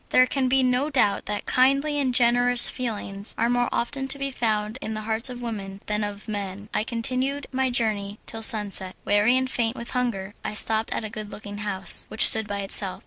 There can be no doubt that kindly and generous feelings are more often to be found in the hearts of women than of men. I continued my journey till sunset. Weary and faint with hunger I stopped at a good looking house, which stood by itself.